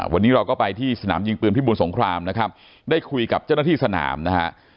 วันนี้เราก็ไปที่สนามยิงปืนพิบูรสงครามนะครับได้คุยกับเจ้าหน้าที่สนามนะฮะ